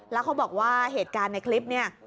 แล้วเขาบอกว่าเหตุการณ์ในคลิปนี้